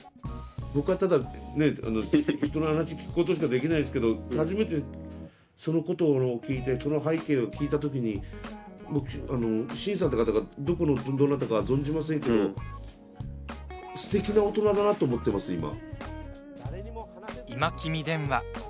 僕は、ただ人の話を聞くことしかできないですけど初めて、そのことを聞いてその背景を聞いたときにシンさんって方がどこのどなたか存じませんけどすてきな大人だなって思っています、今。